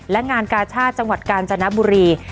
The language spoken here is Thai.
และงานกาชาติจังหวัดกาญจนบุรี